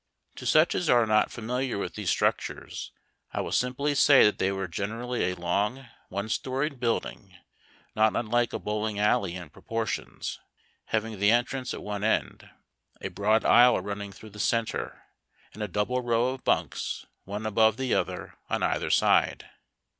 To such as are not familiar with these struc tures, I will simply say that they were generally a long one 46 HAET) TACK AND COFFEE. storied building not unlike a bowling alley in proportions, having the entrance at one end, a broad aisle running through the centre, and a double row of bunks, one above the other, on either side.